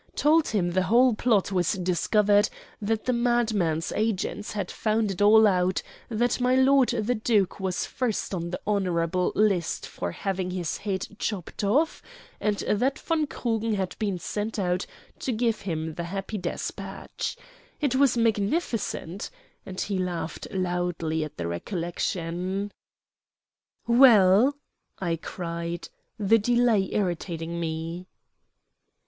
Told him the whole plot was discovered, that the madman's agents had found it all out, that my lord the duke was first on the honorable list for having his head chopped off, and that von Krugen had been sent out to give him the happy despatch. It was magnificent," and he laughed loudly at the recollection. "Well?" I cried, the delay irritating me.